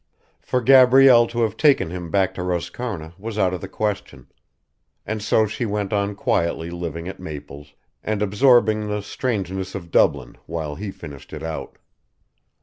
For Gabrielle to have taken him back to Roscarna was out of the question: and so she went on quietly living at Maple's, and absorbing the strangeness of Dublin while he finished it out.